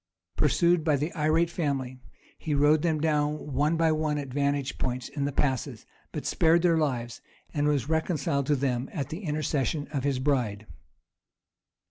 Pursued by the irate family, he rode them down one by one at vantage points in the passes, but spared their lives, and was reconciled to them at the intercession of his bride.